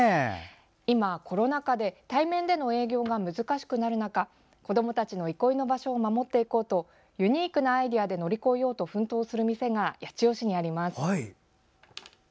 今、コロナ禍で対面での営業が難しくなる中子どもたちの憩いの場所を守っていこうとユニークなアイデアで乗り越えようと奮闘する店が八千代市にあります。